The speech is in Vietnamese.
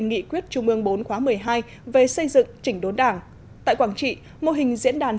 nghị quyết trung ương bốn khóa một mươi hai về xây dựng chỉnh đốn đảng tại quảng trị mô hình diễn đàn